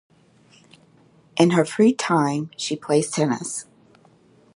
In her free time she plays tennis.